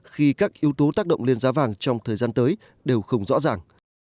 khi các yếu tố tác động lên giá vàng trong thời gian tới đều không rõ ràng